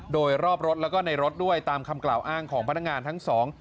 โดยรอบรถแล้วก็ในรถด้วยตามคำกล่าวอ้างของพนักงานทั้งสอง